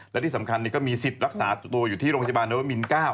และที่สำคัญก็มีสิทธิ์รักษาตัวอยู่ที่โรงพยาบาลนวมิน๙